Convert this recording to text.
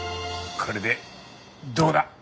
これでどうだ！